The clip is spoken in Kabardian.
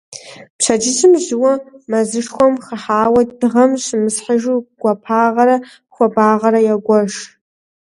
Пщэдджыжьым жьыуэ мэзышхуэм хыхьауэ дыгъэм щымысхьыжу гуапагъэрэ хуабагъэрэ егуэш.